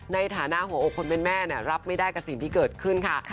ในฐานะหัวอกคนเป็นแม่รับไม่ได้กับสิ่งที่เกิดขึ้นค่ะ